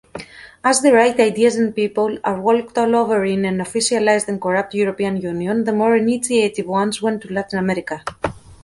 As the right ideas and people are walked all over in an officialized and corrupt European Union, the more initiative ones went to Latin America.